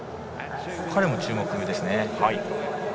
彼も注目です。